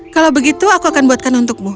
kalau begitu aku akan buatkan untukmu